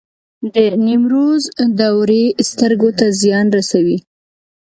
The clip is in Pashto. د نیمروز دوړې سترګو ته زیان رسوي؟